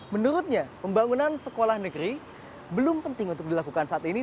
menurutnya pembangunan sekolah negeri belum penting untuk dilakukan saat ini